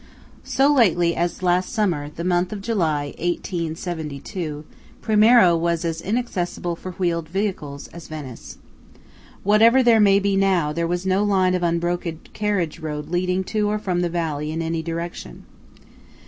So lately as last summer–the month of July, 1872–Primiero was as inaccessible for wheeled vehicles as Venice. Whatever there may be now, there was then no line of unbroken carriage road leading to or from the valley in any direction.